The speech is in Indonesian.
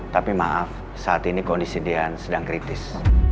tapi maaf saat ini kondisi dian sedang kritis